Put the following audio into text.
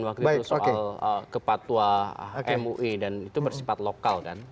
waktu itu soal kepatua mui dan itu bersifat lokal kan